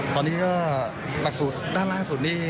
จะมีเข็มอะไรบ้างอธิบาย